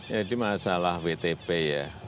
jadi masalah wtp ya